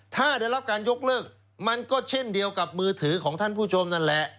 ถ้าได้รับการยกเลิกมันก็เช่นเดียวกับมือถือของท่านผู้ชมนั่นแหละ